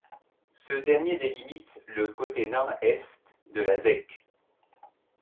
Ce dernier délimite le côté nord-est de la Zec.